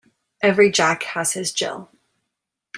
Every Jack has his Jill.